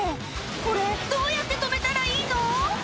これ、どうやって止めたらいいの？